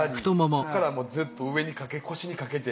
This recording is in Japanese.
こっからずっと上にかけ腰にかけて。